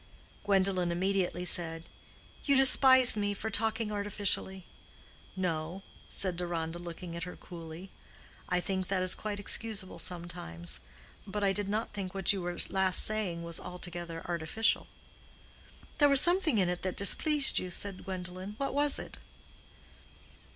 Gwendolen immediately said, "You despise me for talking artificially." "No," said Deronda, looking at her coolly; "I think that is quite excusable sometimes. But I did not think what you were last saying was altogether artificial." "There was something in it that displeased you," said Gwendolen. "What was it?"